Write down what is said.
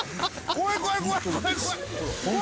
怖い怖い怖い怖い！